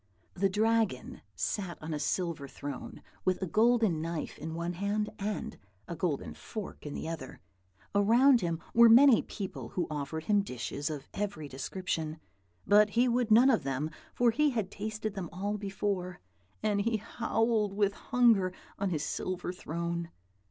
The Dragon sat on a silver throne, with a golden knife in one hand, and a golden fork in the other. Around him were many people, who offered him dishes of every description; but he would none of them, for he had tasted them all before; and he howled with hunger on his silver throne.